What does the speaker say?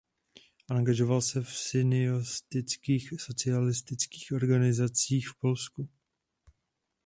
Angažoval se v sionistických socialistických organizacích v Polsku.